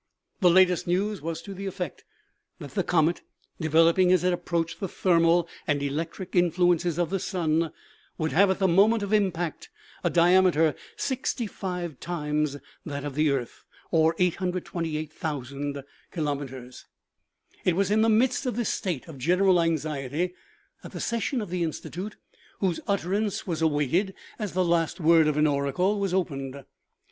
The latest news was to the effect that the comet, developing, as it approached the thermal and electric influences of the sun, would have at the moment of impact a diameter sixty five times that of the earth, or 828,000 kilometers. OMEGA. 39 It was in the midst of this state of general anxiety that the session of the Institute, whose utterance was awaited as the last word of an oracle, was opened.